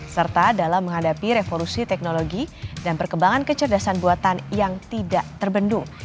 serta dalam menghadapi revolusi teknologi dan perkembangan kecerdasan buatan yang tidak terbendung